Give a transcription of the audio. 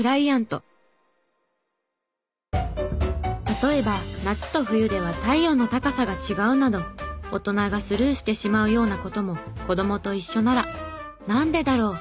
例えば夏と冬では太陽の高さが違うなど大人がスルーしてしまうような事も子どもと一緒なら「なんでだろう？